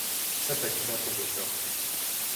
Сэ балътор къызощэху.